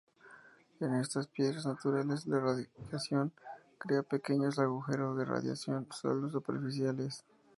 En estas piedras naturales, la radiación crea pequeños "agujeros de radiación", sólo superficiales.